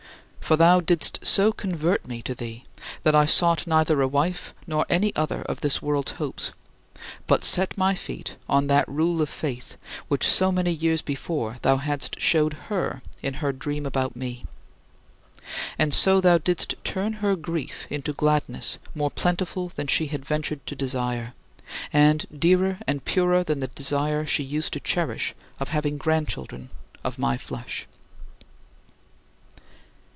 For thou didst so convert me to thee that I sought neither a wife nor any other of this world's hopes, but set my feet on that rule of faith which so many years before thou hadst showed her in her dream about me. And so thou didst turn her grief into gladness more plentiful than she had ventured to desire, and dearer and purer than the desire she used to cherish of having grandchildren of my flesh.